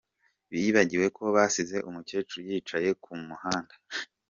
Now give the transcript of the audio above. Bibagiwe ko basize umukecuru yicaye ku muhanda.